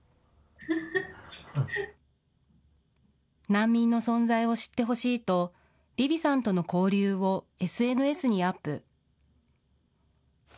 難民の存在を知ってほしいとリヴィさんとの交流をＳＮＳにアップ。